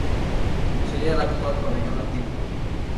Sería en el actual Pabellón Antiguo.